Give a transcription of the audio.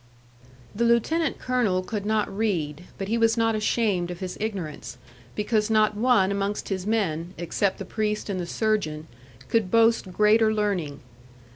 The lieutenant colonel could not read, but he was not ashamed of his ignorance, because not one amongst his men, except the priest and the surgeon, could boast greater learning.